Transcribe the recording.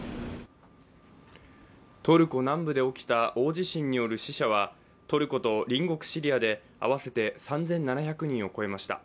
トルコ南部で起きた大地震による死者はトルコと隣国シリアで合わせて３７００人を超えました。